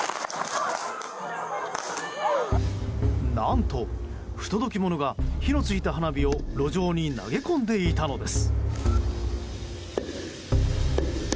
何と、不届き者が火のついた花火を路上に投げ込んでいたのです。